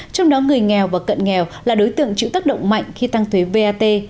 trong đó người nghèo và cận nghèo là đối tượng chịu tác động mạnh khi tăng thuế vat